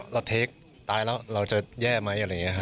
เราเทคตายแล้วเราจะแย่มั้ยอะไรอย่างเงี้ยค่ะ